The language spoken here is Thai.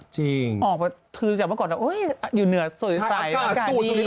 จริงอย่างเมื่อก่อนอยู่เหนือสวยใสอากาศดีอ้าว